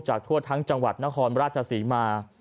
ทั่วทั้งจังหวัดนครราชศรีมา